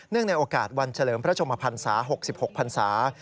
ในโอกาสวันเฉลิมพระชมพันศา๖๖พันศา